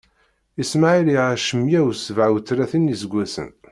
Ismaɛil iɛac meyya usebɛa utlatin n iseggasen.